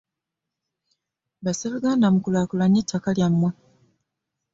Baseruganda mukulakulanye ettaka lyamwe.